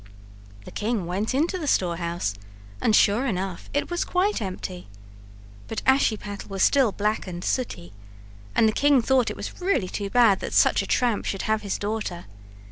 The king went into the storehouse and, sure enough, it was quite empty; but Ashiepattle was still black and sooty, and the king thought it was really too bad that such a tramp should have his daughter.